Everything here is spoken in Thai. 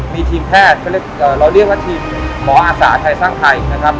มีทีมแพทย์เราเรียกว่าทีมหมออาสาไทยสร้างไทยนะครับ